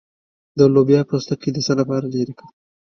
د لوبیا پوستکی د څه لپاره لرې کړم؟